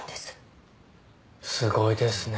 すごいですね。